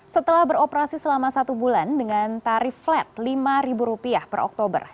setelah beroperasi selama satu bulan dengan tarif flat rp lima per oktober